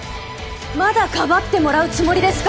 まだ庇ってもらうつもりですか！？